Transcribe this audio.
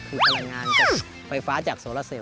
คือพลังงานจากไฟฟ้าจากโซลาเซลล